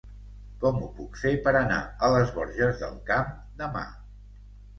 Com ho puc fer per anar a les Borges del Camp demà?